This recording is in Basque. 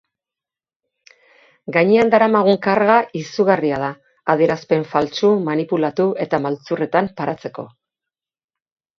Gainean daramagun karga izugarria da, adierazpen faltsu, manipulatu eta maltzurretan paratzeko.